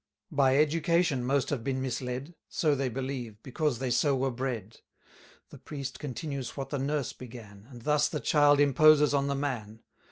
By education most have been misled; So they believe, because they so were bred. 390 The priest continues what the nurse began, And thus the child imposes on the man.